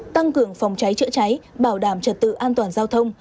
tăng cường phòng cháy chữa cháy bảo đảm trật tự an toàn giao thông